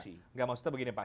tidak maksudnya begini pak